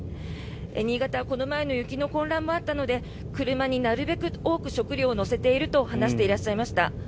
新潟はこの前の雪の混乱もあったので車になるべく多く食料を載せていると話していらっしゃいました。